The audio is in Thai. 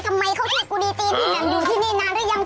ทำไมเขาใช้กุรีจีนอยู่ที่นี่นานหรือยัง